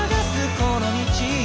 この道を」